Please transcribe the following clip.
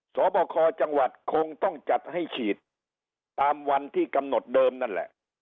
สอบคอจังหวัดคงต้องจัดให้ฉีดตามวันที่กำหนดเดิมนั่นแหละ